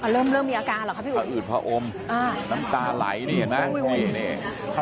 เริ่มมีอาการเหรอครับพี่อุ่นอืดพออมน้ำตาไหลนี่เห็นไหม